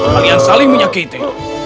kalian saling menyakiti